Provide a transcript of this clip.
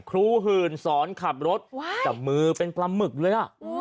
หื่นสอนขับรถจับมือเป็นปลาหมึกเลยนะ